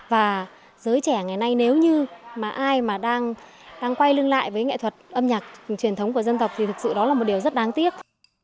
và giới trẻ ngày nay nếu như mà ai mà đang quay lưng lại với nghệ thuật âm nhạc truyền thống của dân tộc thì thực sự đó là một điều rất đáng tiếc